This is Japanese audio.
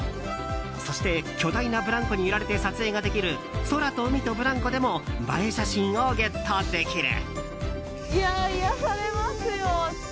そして、巨大なブランコに揺られて撮影ができる空と海とブランコでも映え写真をゲットできる。